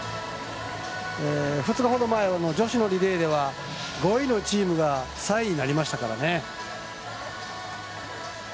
２日前の女子のリレーでは５位のチームが３位になりましたからね。